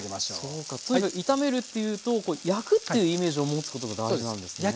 そうかとにかく炒めるっていうと焼くっていうイメージを持つことが大事なんですね。